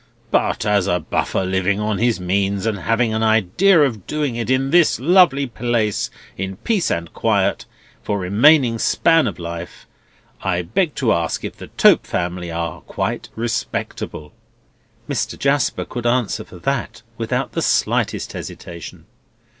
But as a buffer living on his means, and having an idea of doing it in this lovely place in peace and quiet, for remaining span of life, I beg to ask if the Tope family are quite respectable?" Mr. Jasper could answer for that without the slightest hesitation.